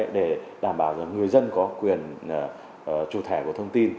để đảm bảo người dân có quyền trụ thẻ của thông tin